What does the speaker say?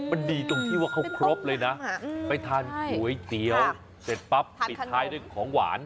มันดีตรงที่ว่าเขาครบเลยนะไปทานก๋วยเตี๋ยวเสร็จปั๊บปิดท้ายด้วยของหวาน